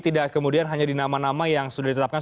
tidak kemudian hanya di nama nama yang sudah ditetapkan